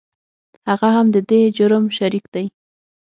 هغه هم د دې جرم شریک دی .